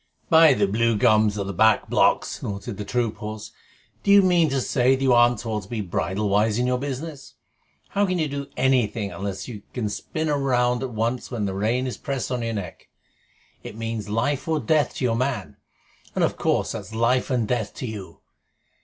"By the Blue Gums of the Back Blocks," snorted the troop horse, "do you mean to say that you aren't taught to be bridle wise in your business? How can you do anything, unless you can spin round at once when the rein is pressed on your neck? It means life or death to your man, and of course that's life and death to you.